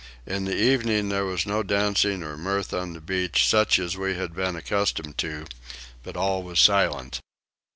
In the evening there was no dancing or mirth on the beach such as we had been accustomed to, but all was silent.